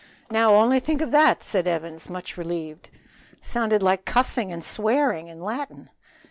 now only think of that" said Evans, much relieved. "Sounded like cussing and swearing in Latin."